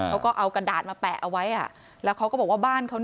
เขาก็เอากระดาษมาแปะเอาไว้แล้วเขาก็บอกว่าบ้านเขา